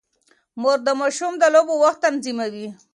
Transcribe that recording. مور د ماشوم د لوبو وخت تنظيموي.